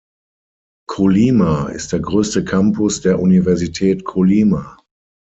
Colima ist der größte Campus der Universität Colima.